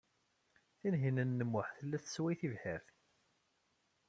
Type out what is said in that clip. Tinhinan u Muḥ tella tessway tibḥirt.